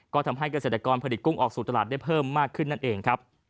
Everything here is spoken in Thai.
ก็ทำให้เกษตรกรผลิตกุ้งออกสู่ตลาดได้เพิ่มมากขึ้นนั่นเองครับ